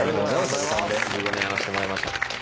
おかげさまで１５年やらせてもらいました。